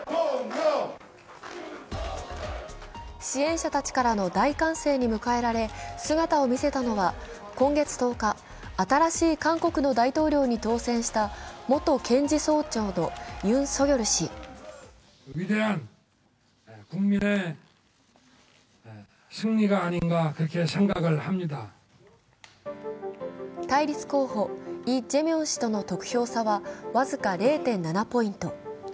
支援者たちからの大歓声に迎えられ姿を見せたのは今月１０日、新しい韓国の大統領に当選した元検事総長のユン・ソギョル氏。対立候補、イ・ジェミョン氏との得票差は僅か０．７ポイント。